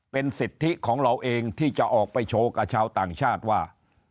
เป็นสิทธิของเราเองที่จะออกไปโชว์กับชาวต่างชาติว่า